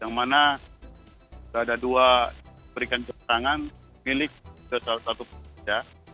yang mana ada dua pemeriksaan milik salah satu pekerja